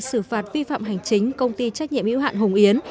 quyết định xử phạt vi phạm hành chính công ty trách nhiệm yếu hạn hồng yến